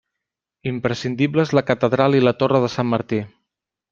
Imprescindibles la catedral i la torre de Sant Martí.